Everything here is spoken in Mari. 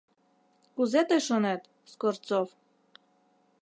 Кузе тый шонет, Скворцов?